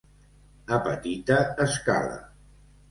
A petita escala.